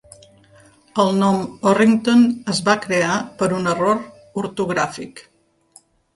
El nom "Orrington" es va crear per un error ortogràfic.